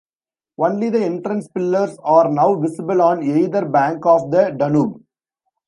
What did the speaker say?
Only the entrance pillars are now visible on either bank of the Danube.